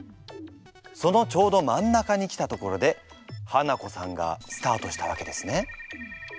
そのちょうど真ん中に来たところでハナコさんがスタートしたわけですね。